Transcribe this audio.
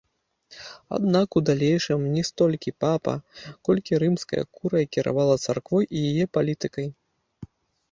Аднак у далейшым не столькі папа, колькі рымская курыя кіравала царквой і яе палітыкай.